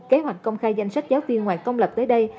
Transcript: kế hoạch công khai danh sách giáo viên ngoài công lập tới đây